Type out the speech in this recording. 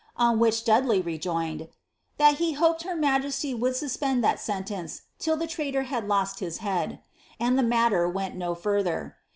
On which Dudley rejoined, ^^ that he hoped her majesty would suspend that sentence till the traitor had lost his head«'' and the matter went no further.